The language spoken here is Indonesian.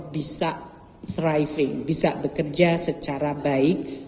bisa striving bisa bekerja secara baik